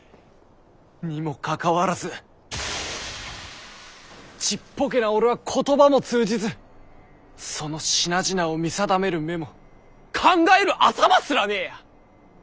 にもかかわらずちっぽけな俺は言葉も通じずその品々を見定める目も考える頭すらねぇや。